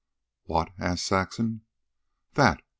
"What?" asked Saxon. "That."